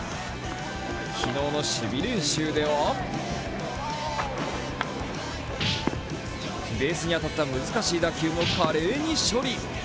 昨日の守備練習ではベースに当たった難しい打球も華麗に処理。